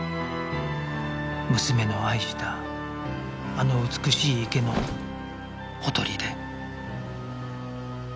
娘の愛したあの美しい池のほとりで